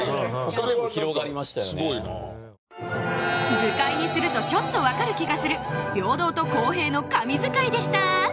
図解にするとちょっとわかる気がする平等と公平の神図解でした